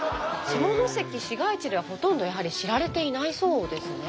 下関市街地ではほとんどやはり知られていないそうですね。